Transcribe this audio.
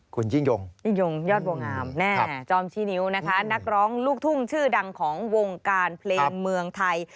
คุณยิ่งยงยอดบัวงามแน่จอมชี้นิ้วนะคะนักร้องลูกทุ่งชื่อดังของวงการเพลงเมืองไทย